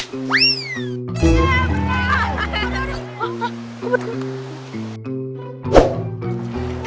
hah kok betul